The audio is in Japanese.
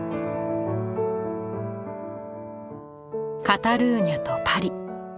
カタルーニャとパリ。